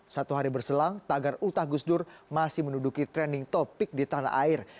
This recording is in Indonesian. satu hari berselang tagar ultah gusdur masih menuduki trending topic di tanah air